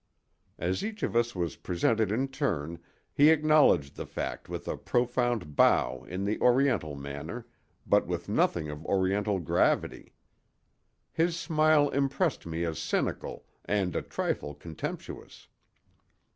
As each of us was presented in turn he acknowledged the fact with a profound bow in the Oriental manner, but with nothing of Oriental gravity. His smile impressed me as cynical and a trifle contemptuous.